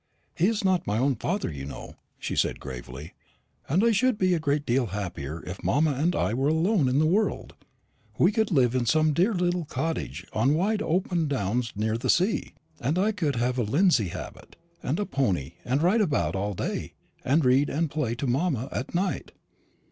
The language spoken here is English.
"He is not my own father, you know," she said gravely, "and I should be a great deal happier if mamma and I were alone in the world. We could live in some dear little cottage on wide open downs near the sea, and I could have a linsey habit, and a pony, and ride about all day, and read and play to mamma at night.